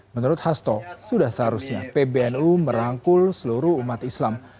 menurut hasto sudah seharusnya pbnu merangkul seluruh umat islam